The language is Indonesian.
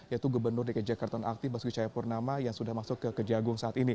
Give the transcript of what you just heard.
yaitu gubernur dki jakarta nonaktif basuki cahayapurnama yang sudah masuk ke kejagung saat ini